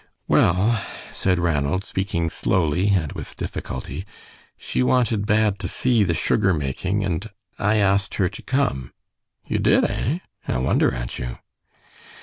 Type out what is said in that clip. "Well," said Ranald, speaking slowly and with difficulty, "she wanted bad to see the sugar making, and I asked her to come." "You did, eh? I wonder at you."